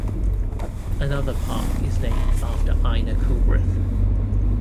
Another park is named after Ina Coolbrith.